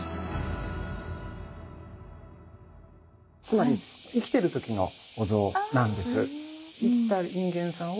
つまり生きてる時のお像なんです。